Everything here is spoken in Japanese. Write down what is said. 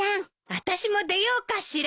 あたしも出ようかしら。